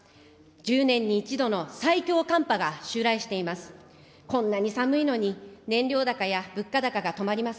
１０年に１度の最強寒波が襲来しています。